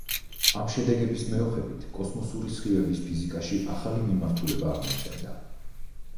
ამ შედეგების მეოხებით კოსმოსური სხივების ფიზიკაში ახალი მიმართულება აღმოცენდა.